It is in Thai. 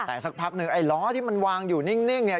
แต่สักพักหนึ่งไอ้ล้อที่มันวางอยู่นิ่งเนี่ย